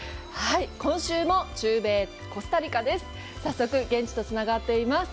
今週も中米コスタリカです。